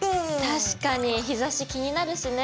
確かに日ざし気になるしね。